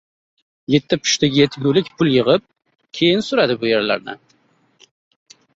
Yetti pushtiga yetgulik pul yig'ib, keyin suradi bu yerlardan!